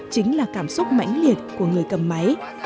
chính là cảm xúc mãnh liệt của người cầm máy